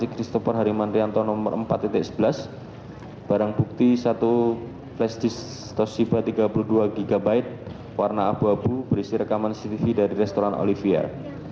dan antikristoper harimantrianto nomor empat sebelas barang bukti satu plastik toshiba tiga puluh dua gb warna abu abu berisi rekaman cctv dari restoran olivier